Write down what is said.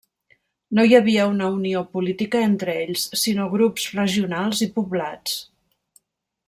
No hi havia una unió política entre ells, sinó grups regionals i poblats.